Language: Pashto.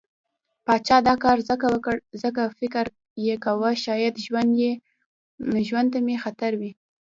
پاچا دا کار ځکه وکړ، ځکه فکر يې کوه شايد ژوند ته مې خطر وي.